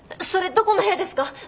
それどこの部屋ですか？